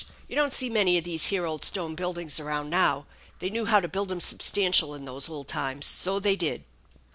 You don't see many of these here old stone buildings around now. They knew how to build 'em substantial in those old times, so they did."